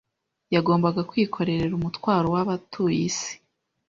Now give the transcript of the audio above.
Yagombaga kwikorera umutwaro w'abatuye isi